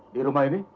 di rumah ini